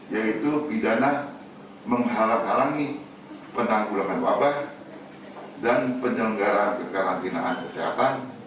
yaitu pidana menghalang halangi penanggulangan wabah dan penyelenggaraan kekarantinaan kesehatan